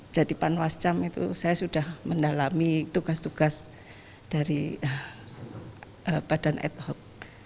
jadi panwascam itu saya sudah mendalami tugas tugas dari badan ad hoc